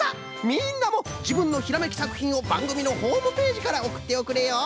みんなもじぶんのひらめきさくひんをばんぐみのホームページからおくっておくれよ。